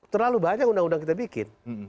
terlalu banyak undang undang kita bikin